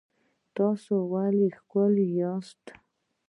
تاسو ولې ښکلي یاست؟